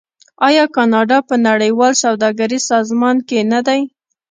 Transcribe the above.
آیا کاناډا په نړیوال سوداګریز سازمان کې نه دی؟